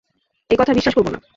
এই কথা বিশ্বাস করব না।